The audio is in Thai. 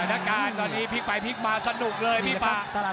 แต่นะคะตอนนี้พลิกไปพลิกมาสนุกเลยพี่ป่า